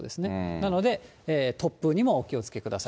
なので突風にもお気をつけください。